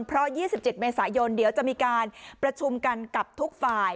เพราะ๒๗เมษายนเดี๋ยวจะมีการประชุมกันกับทุกฝ่าย